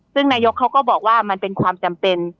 ซึ่งนายกเขาก็บอกว่ามันเป็นความจำเป็น